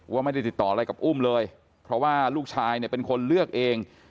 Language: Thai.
ว่าไม่ได้ติดต่ออะไรกับอุ้มเลยเพราะว่าลูกชายเนี่ยเป็นคนเลือกเอง